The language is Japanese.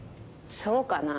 そうかな？